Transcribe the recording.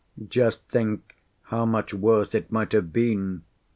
Just think how much worse it might have been!